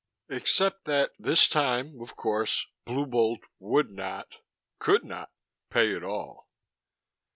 Except that this time, of course, Blue Bolt would not, could not, pay at all.